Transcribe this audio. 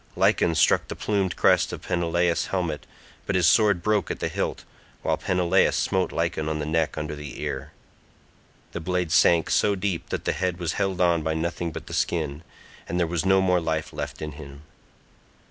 Lycon struck the plumed crest of Peneleos' helmet but his sword broke at the hilt, while Peneleos smote Lycon on the neck under the ear. The blade sank so deep that the head was held on by nothing but the skin, and there was no more life left in him.